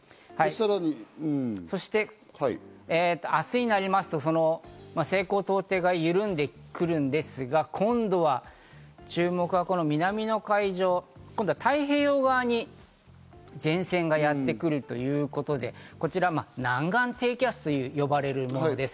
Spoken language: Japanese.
そして明日になりますと、西高東低が緩んでくるんですが、今度は注目は、この南の海上、今度は太平洋側に前線がやってくるということで、こちら、南岸低気圧と呼ばれるものです。